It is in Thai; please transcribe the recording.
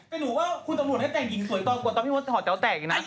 นี่หนูว่านี่ทั่วนู่นให้แต่งหญิงสวยกว่ามาพี่โน่นหอแจ๊วแชลงอย่างนั้น